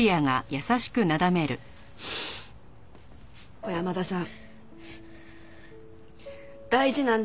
小山田さん大事なんですよ